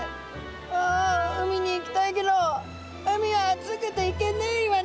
「あ海に行きたいけど海は熱くて行けねえイワナ」。